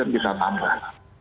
dan kita tambah